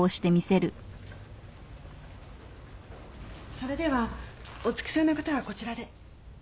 それではお付き添いの方はこちらで。